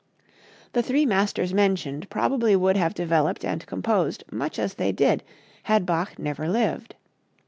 The three masters mentioned probably would have developed and composed much as they did had Bach never lived.